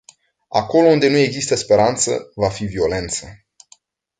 Acolo unde nu există speranță, va fi violență.